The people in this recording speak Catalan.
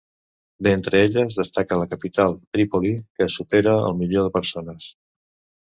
D'entre elles destaca la capital, Trípoli, que supera el milió de persones.